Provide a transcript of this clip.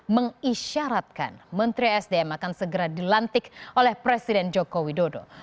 mengisyaratkan menteri sdm akan segera dilantik oleh presiden joko widodo